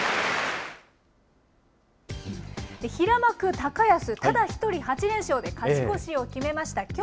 平幕・高安、ただ１人８連勝で勝ち越しを決めました。